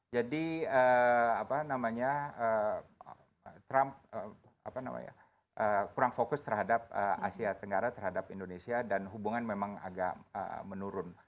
jadi apa namanya trump kurang fokus terhadap asia tenggara terhadap indonesia dan hubungan memang agak menurun